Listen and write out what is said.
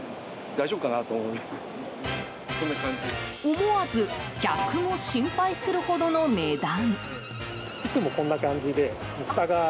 思わず客も心配するほどの値段。